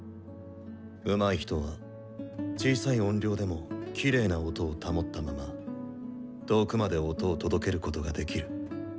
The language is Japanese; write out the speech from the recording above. うまい人は小さい音量でもきれいな音を保ったまま遠くまで音を届けることができる。